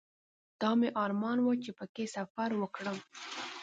دا مې ارمان و چې په کې سفر وکړم.